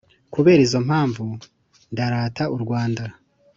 Kubera izo mpamvu, ndarata u Rwanda